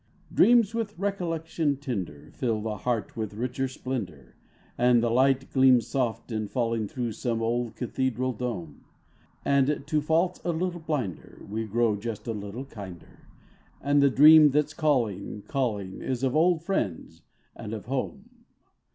D REAMS \9ith recollection tender Fill the Heart Ntfith richer ' splendor, As the light gleams soft in jullinq Through some ola cathedral dome ; And, to faults a little blinder, ADe gt'oxtf just a little hinder, And the dream that's call inq, calling , old friends and o home.